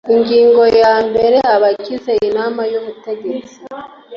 ingingo ya mbere abagize inama y ubutegetsi